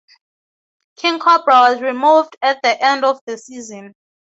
King Kobra was removed at the end of the season.